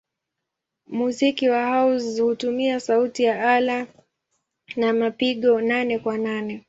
Muziki wa house hutumia sauti ya ala za mapigo nane-kwa-nane.